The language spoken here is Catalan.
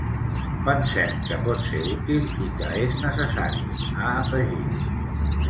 Pensem que pot ser útil i que és necessari, ha afegit.